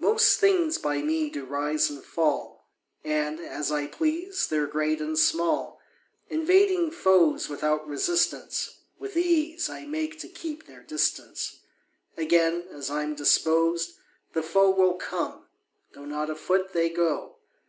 Most things by me do rise and fall, And, as I please, they're great and small; Invading foes without resistance, With ease I make to keep their distance: Again, as I'm disposed, the foe Will come, though not a foot they go.